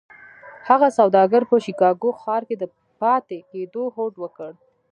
هغه سوداګر په شيکاګو ښار کې د پاتې کېدو هوډ وکړ.